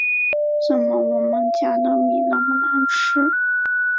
怎么我们家的米那么难吃